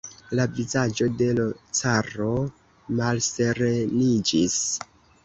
La vizaĝo de l' caro malsereniĝis.